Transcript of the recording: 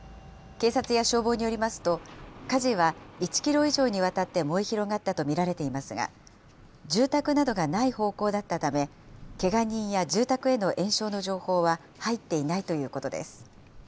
警察や消防によりますと、火事は１キロ以上にわたって燃え広がったと見られていますが、住宅などがない方向だったため、けが人や住宅への延焼の情報は入っていないということです。